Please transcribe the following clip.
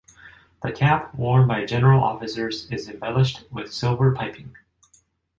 The cap worn by general officers is embellished with silver piping.